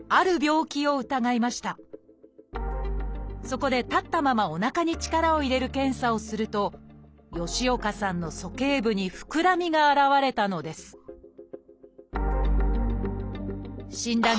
そこで立ったままおなかに力を入れる検査をすると吉岡さんの鼠径部にふくらみが現れたのです診断